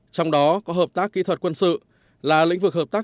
trong đó có hợp tác kỹ thuật quân sự là lĩnh vực hợp tác